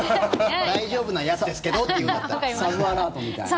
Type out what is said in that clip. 大丈夫なやつですけどって言うんだったら。